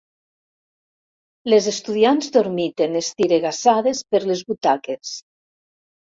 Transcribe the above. Les estudiants dormiten estiregassades per les butaques.